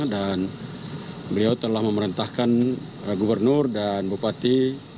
dan beliau telah memerintahkan gubernur dan bupati